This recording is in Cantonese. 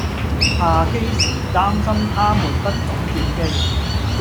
下機時擔心她們不懂轉機